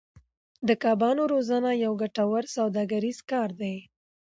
د کبانو روزنه یو ګټور سوداګریز کار دی.